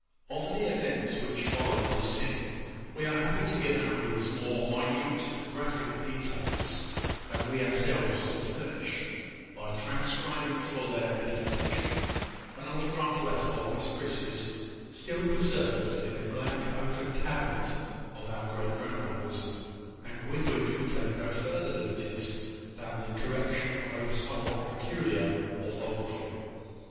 OF the events which followed this scene, we are happy to give our readers more minute and graphic details than we ourselves could furnish, by transcribing for their edification an autograph letter of Miss Prissy's, still preserved in a black oaken cabinet of our great grandmother's, and with which we take no further liberties than the correction of a somewhat peculiar orthography.